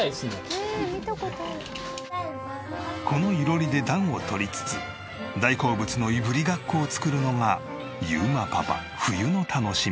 この囲炉裏で暖をとりつつ大好物のいぶりがっこを作るのが裕磨パパ冬の楽しみ。